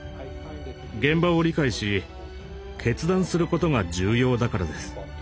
現場を理解し決断することが重要だからです。